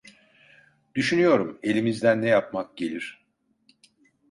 Düşünüyorum: Elimizden ne yapmak gelir?